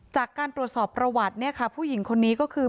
จากการตรวจสอบประวัติผู้หญิงคนนี้ก็คือ